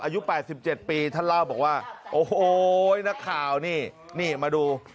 อายุ๘๗ปีท่านเล่าบอกว่าโอ้โหนักข่าวนี่นี่มาดู